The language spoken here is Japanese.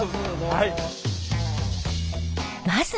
はい。